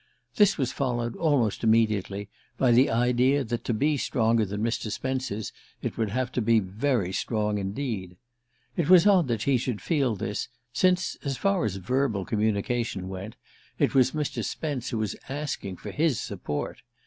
This was followed, almost immediately, by the idea that to be stronger than Mr. Spence's it would have to be very strong indeed. It was odd that he should feel this, since as far as verbal communication went it was Mr. Spence who was asking for his support.